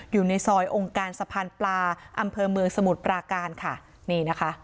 อยู่ในซอยองค์การสะพานปลาอำเภอเมืองสมุทรปราการค่ะนี่นะคะ